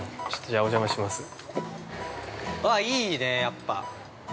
◆あ、いいね、やっぱ。